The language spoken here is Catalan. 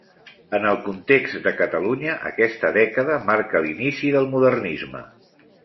En el context de Catalunya, aquesta dècada marca l'inici del modernisme.